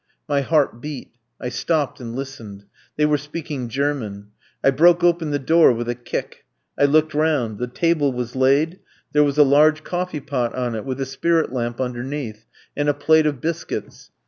My heart beat; I stopped and listened. They were speaking German. I broke open the door with a kick. I looked round. The table was laid; there was a large coffee pot on it, with a spirit lamp underneath, and a plate of biscuits.